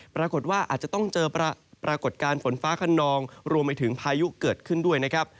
ปรากฏว่าอาจจะต้องเจอปรากฏการณ์ฝนฟ้าขนองรวมไปถึงพายุเกิดขึ้นด้วยนะครับ